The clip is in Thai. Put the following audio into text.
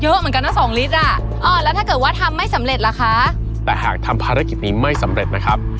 เยอะเหมือนกันนะสองลิตรอ่ะอ่าแล้วถ้าเกิดว่าทำไม่สำเร็จล่ะคะแต่หากทำภารกิจนี้ไม่สำเร็จนะครับ